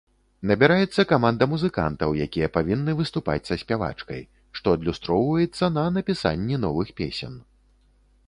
Набіраецца каманда музыкантаў, якія павінны выступаць са спявачкай, што адлюстроўваецца на напісанні новых песен.